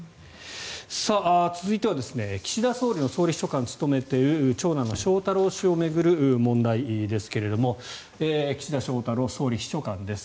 続いては岸田総理の総理秘書官を務めている長男の翔太郎氏を巡る問題ですが岸田翔太郎総理秘書官です。